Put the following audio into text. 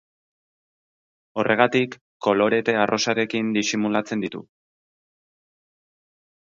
Horregatik, kolorete arrosarekin disimulatzen ditu.